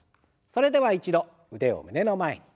それでは一度腕を胸の前に。